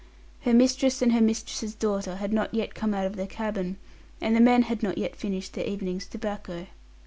Her mistress and her mistress's daughter had not yet come out of their cabin, and the men had not yet finished their evening's tobacco.